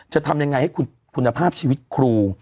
จะทำยังไงให้คุณภาพชีวิตครู